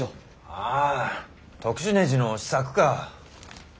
ああ特殊ねじの試作か。